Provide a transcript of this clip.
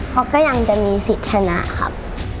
เขาก็ยังจะมีสิทธิ์ชนะครับ